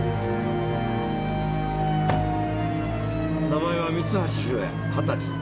名前は三橋弘也２０歳。